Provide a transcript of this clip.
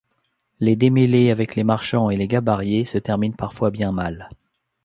Les démêlés avec les marchands et les gabariers se terminent parfois bien mal.